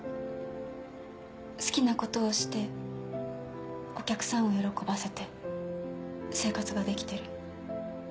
好きなことをしてお客さんを喜ばせて生活ができてる。